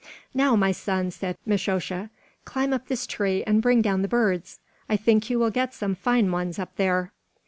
"Now, my son," said Mishosha, "climb up this tree and bring down the birds. I think you will get some fine ones up there."